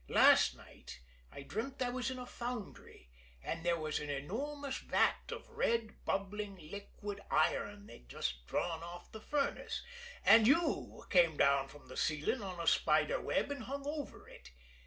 Last night I dreamt I was in a foundry and there was an enormous vat of red, bubbling, liquid iron they'd just drawn off the furnace, and you came down from the ceiling on a spider web and hung over it.